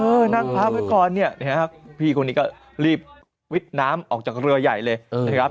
นั่งพักไว้ก่อนเนี่ยนะครับพี่คนนี้ก็รีบวิทย์น้ำออกจากเรือใหญ่เลยนะครับ